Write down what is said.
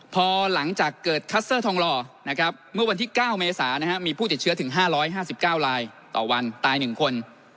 พอหลังจากเกิดคัสเตอร์ทองหล่อเมื่อวันที่๙เมษามีผู้ติดเชื้อถึง๕๕๙ลายต่อวันตาย๑คน